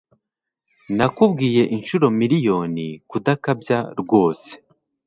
Nakubwiye inshuro miriyoni kudakabya rwose